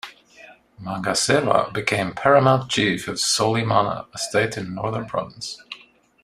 Manga Sewa became paramount chief of Solimana, a state in Northern Province.